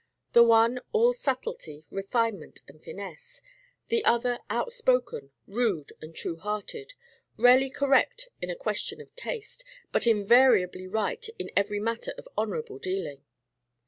The one, all subtlety, refinement, and finesse; the other, out spoken, rude, and true hearted; rarely correct in a question of taste, but invariably right in every matter of honorable dealing.